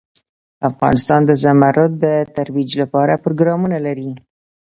افغانستان د زمرد د ترویج لپاره پروګرامونه لري.